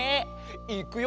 いくよ。